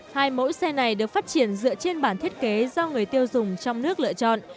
hai mẫu xe này được phát triển dựa trên bản thiết kế do người tiêu dùng trong nước lựa chọn